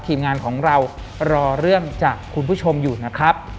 ทีมงานของเรารอเรื่องจากคุณผู้ชมอยู่นะครับ